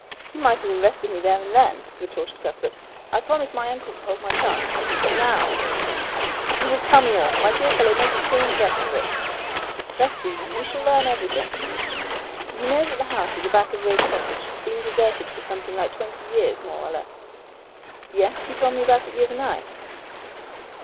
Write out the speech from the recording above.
"You might have arrested me then and there," retorted Cuthbert. "I promised my uncle to hold my tongue. But now " "You will tell me all. My dear fellow, make a clean breast of it." "Rest easy, you shall learn everything. You know that the house at the back of Rose Cottage has been deserted for something like twenty years more or less." "Yes. You told me about it the other night."